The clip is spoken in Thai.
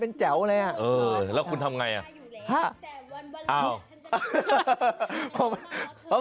แล้วคุณทำยังไง